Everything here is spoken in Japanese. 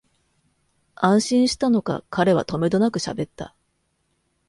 安心したのか、彼はとめどなくしゃべった